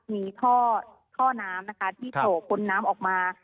มีท่อน้ำนะคะที่โผล่พ้นน้ำออกมา